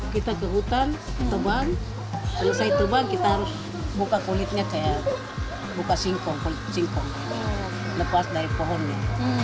kita ke hutan tubang setelah kita tubang kita harus buka kulitnya kayak buka singkong lepas dari pohonnya